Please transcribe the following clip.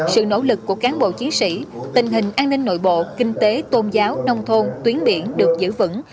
sự nỗ lực của cán bộ chiến sĩ tình hình an ninh nội bộ kinh tế tôn giáo nông thôn tuyến biển được giữ vững